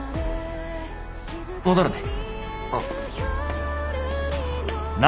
戻るね。